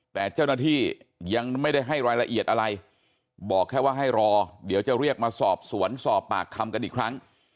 แต่เจ้าหน้าที่ยังไม่ได้ให้รายละเอียดอะไรบอกแค่ว่าให้รอเดี๋ยวจะเรียกมาสอบสวนสอบปากคำกันอีกครั้ง